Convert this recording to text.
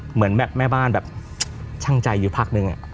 เหมือนแบบแม่บ้านแบบช่างใจอยู่พักนึง